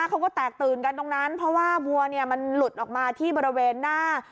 เขาก็แตกตื่นกันตรงนั้นเพราะว่าวัวเนี่ยมันหลุดออกมาที่บริเวณหน้า